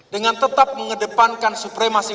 dengan tetap mengedepankan supremasi